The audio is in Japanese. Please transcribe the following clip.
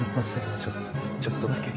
ちょっとちょっとだけ。